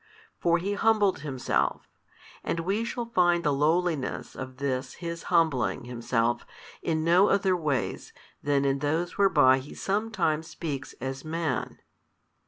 For He humbled Himself, and we shall find the lowliness of this His humbling Himself in no other ways than in those whereby He sometimes speaks as Man.